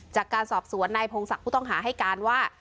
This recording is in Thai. จากการสอบสวนนายพงศักดิ์ผู้ต้องหาให้การว่า